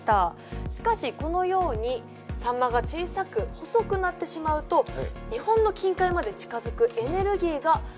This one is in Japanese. しかしこのようにサンマが小さく細くなってしまうと日本の近海まで近づくエネルギーがなくなってしまいます。